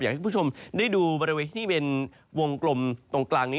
ให้คุณผู้ชมได้ดูบริเวณที่เป็นวงกลมตรงกลางนี้